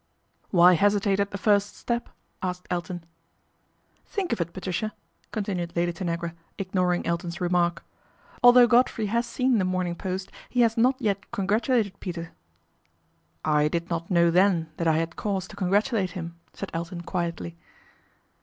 " Why hesitate at the first step ?" asked Elton. "Think of it, Patricia," continued Lady Tanagra, ignoring Elton's remark. " Although Godfrey has seen The Morning Post he has not yet congratulated Peter." " I did not know then that I had cause to con gratulate him," said Elton quietly.